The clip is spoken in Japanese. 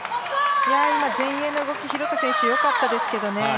前衛の動き廣田選手、良かったですけどね。